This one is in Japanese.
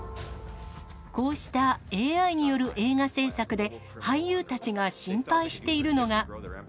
こうしたＡＩによる映画製作で、俳優たちが心配しているのが。